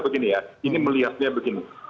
begini ya ini melihatnya begini